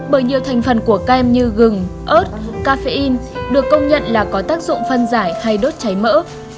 bởi nhiều thành phần của kem như gừng ớt cafein được công nhận là có tác dụng phân giải hay đốt cháy mỡ